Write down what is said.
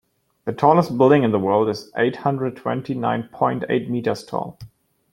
The tallest building in the world is eight hundred twenty nine point eight meters tall.